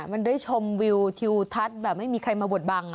มันได้ชมวิวทิวทัศน์แบบไม่มีใครมาบดบัง